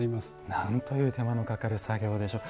なんという手間のかかる作業でしょう。